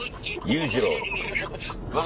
裕次郎？